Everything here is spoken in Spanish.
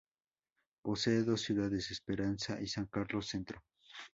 Posee dos ciudades: Esperanza y San Carlos Centro.